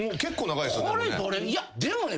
いやでもね